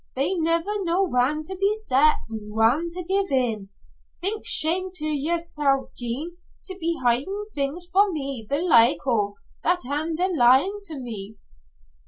They never know whan to be set, an' whan to gie in. Think shame to yersel', Jean, to be hidin' things fra me the like o' that an' then lyin' to me."